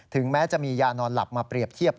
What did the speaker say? แม้จะมียานอนหลับมาเปรียบเทียบ